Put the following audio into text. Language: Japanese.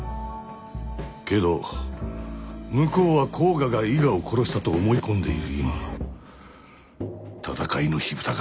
けど向こうは甲賀が伊賀を殺したと思い込んでいる今戦いの火ぶたが切られたのかもしれん。